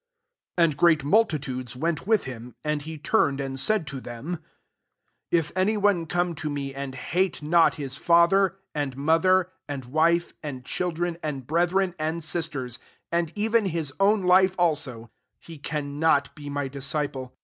" 25 And great multitudes went with him; and he turned and said to diem, 26 " If any one come to me, and hate not his fether, and mother, and wife, and children, and brethren, and sisters, and even his own life also, he cannot be my disciple.